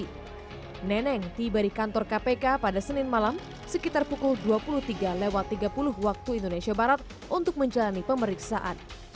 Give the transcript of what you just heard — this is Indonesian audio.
bupati bekasi neneng tiba di kantor kpk pada senin malam sekitar pukul dua puluh tiga tiga puluh wib untuk menjalani pemeriksaan